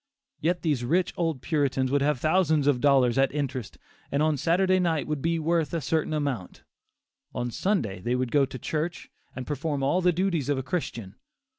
Yet these rich old Puritans would have thousands of dollars at interest, and on Saturday night would be worth a certain amount; on Sunday they would go to church and perform all the duties of a Christian.